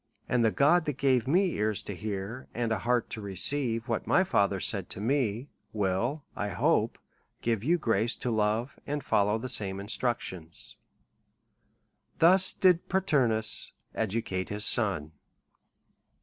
And the God that gave me ears to hear, and a heart to receive what my father said unto me, will, I hope, give you grace to love and follow the same instructions. Thus did Paternus educate his son.